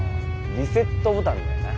リセットボタンだよな。